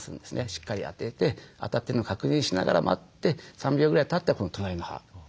しっかり当てて当たってるのを確認しながら待って３秒ぐらいたって今度隣の歯。